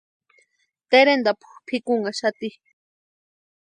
Terentapu pʼikunhaxati.